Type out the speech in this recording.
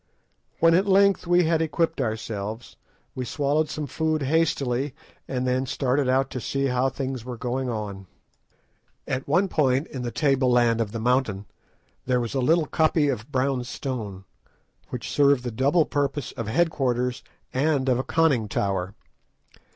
When at length we had equipped ourselves, we swallowed some food hastily, and then started out to see how things were going on. At one point in the table land of the mountain, there was a little koppie of brown stone, which served the double purpose of head quarters and of a conning tower.